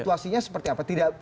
situasinya seperti apa